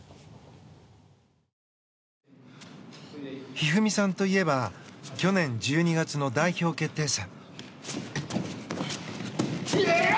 一二三さんといえば去年１２月の代表決定戦。